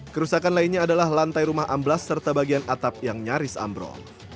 kerusakan lainnya adalah lantai rumah amblas serta bagian atap yang nyaris ambrol